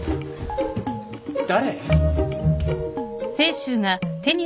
誰？